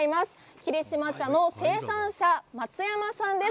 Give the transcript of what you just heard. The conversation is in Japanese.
霧島茶の生産者、松山さんです。